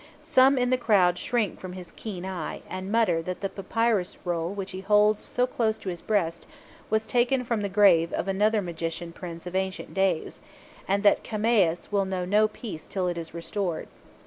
Some in the crowd shrink from his keen eye, and mutter that the papyrus roll which he holds so close to his breast was taken from the grave of another magician Prince of ancient days, and that Khaemuas will know no peace till it is restored.